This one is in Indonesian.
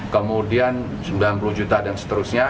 kemudian sembilan puluh juta dan seterusnya